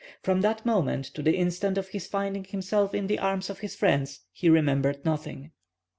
From that moment to the instant of his finding himself in the arms of his friends, he remembered nothing.